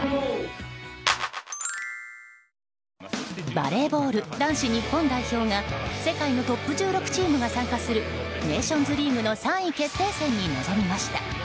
バレーボール男子日本代表が世界のトップ１６チームが参加するネーションズリーグの３位決定戦に臨みました。